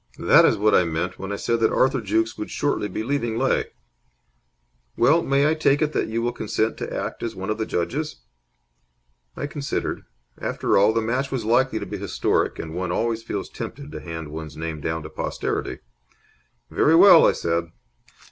That is what I meant when I said that Arthur Jukes would shortly be leaving Leigh. Well, may I take it that you will consent to act as one of the judges?" I considered. After all, the match was likely to be historic, and one always feels tempted to hand one's name down to posterity. "Very well," I said.